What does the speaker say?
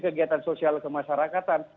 kegiatan sosial kemasyarakatan